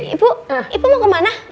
ibu ibu mau kemana